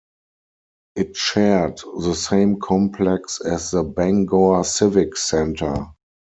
It shared the same complex as the Bangor Civic Center.